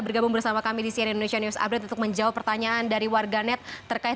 bergabung bersama kami di cnn indonesia news update untuk menjawab pertanyaan dari warganet terkait